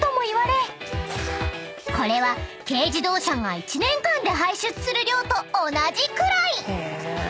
［これは軽自動車が１年間で排出する量と同じくらい］